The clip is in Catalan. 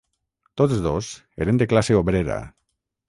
Tots dos eren de classe obrera.